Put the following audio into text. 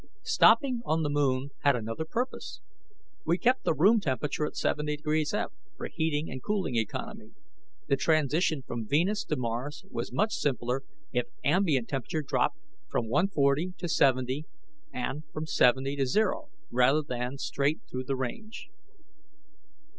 Stopping on the moon had another purpose. We kept the room temperature at 70 F, for heating and cooling economy; the transition from Venus to Mars was much simpler if ambient temperature dropped from 140 to 70 and from 70 to 0, rather than straight through the range.